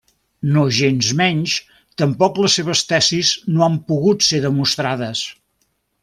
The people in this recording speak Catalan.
Nogensmenys, tampoc les seves tesis no han pogut ser demostrades.